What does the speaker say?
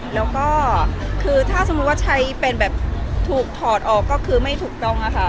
แล้วก็คือถ้าสมมุติว่าใช้เป็นแบบถูกถอดออกก็คือไม่ถูกต้องค่ะ